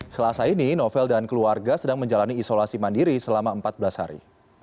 selasa ini novel dan keluarga sedang menjalani isolasi mandiri selama empat belas hari